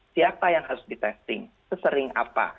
siapa yang harus di testing sesering apa